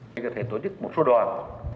để có thể tổ chức một số đoàn